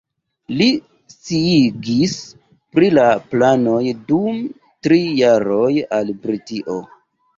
Li sciigis pri la planoj dum tri jaroj al Britio.